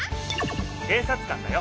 警察官だよ。